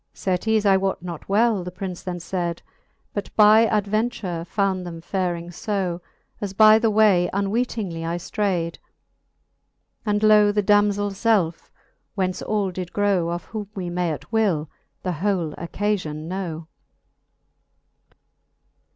Certes I wote not well, the Prince then fayd, But by adventure found them faring fb. As by the way unweetingly I ftrayd : And lo the damzell felfe, whence all did grow, Of whom we may at will the whole occafion know.